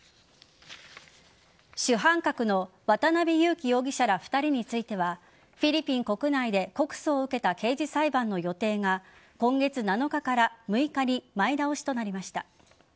主犯格の渡辺優樹容疑者ら２人についてはフィリピン国内で告訴を受けた刑事裁判の予定が今月７日から６日に前倒しとなりました。